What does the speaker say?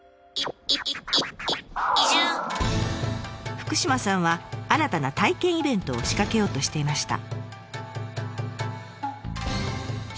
福島さんは新たな体験イベントを仕掛けようとしていました。